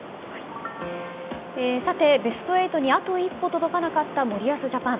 ベスト８にあと一歩届かなかった森保ジャパン。